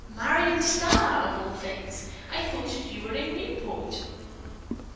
"Marion Starr, of all things! I thought that you were in Newport!"